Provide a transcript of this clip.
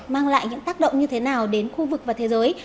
mang lại những tác động như thế nào đến khu vực và thế giới